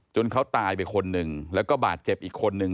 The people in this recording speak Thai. เขาตายไปคนหนึ่งแล้วก็บาดเจ็บอีกคนนึง